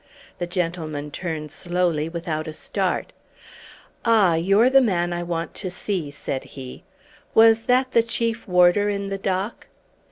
The gentleman turned slowly without a start. "Ah, you're the man I want to see," said he. "Was that the Chief Warder in the dock?"